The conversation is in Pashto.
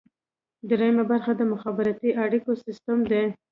دریمه برخه د مخابراتي اړیکو سیستم دی.